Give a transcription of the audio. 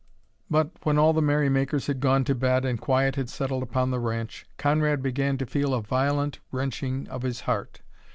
But, when all the merrymakers had gone to bed and quiet had settled upon the ranch, Conrad began to feel a violent wrenching of his heart.